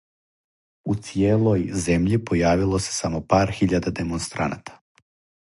У цијелој земљи појавило се само пар хиљада демонстраната.